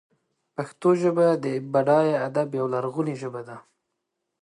پښتو ژبه د بډای ادب یوه لرغونې ژبه ده.